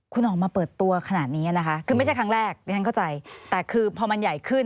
คุณออกมาเปิดตัวขนาดนี้นะคะคือไม่ใช่ครั้งแรกดิฉันเข้าใจแต่คือพอมันใหญ่ขึ้น